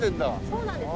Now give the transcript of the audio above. そうなんです。